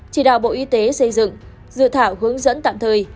chỉ đạo bộ y tế xây dựng dự thảo hướng dẫn tạm thời